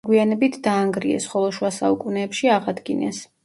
მოგვიანებით დაანგრიეს, ხოლო შუა საუკუნეებში აღადგინეს.